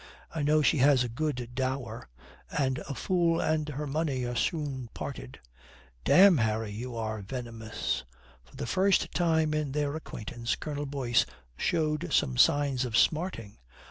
"I know she has a good dower. And a fool and her money are soon parted." "Damme, Harry, you are venomous!" For the first time in their acquaintance Colonel Boyce showed some signs of smarting.